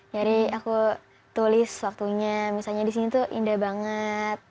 jadi aku tulis waktunya misalnya di sini tuh indah banget